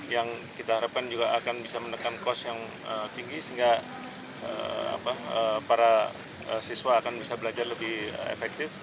yang kita harapkan juga akan bisa menekan kos yang tinggi sehingga para siswa akan bisa belajar lebih efektif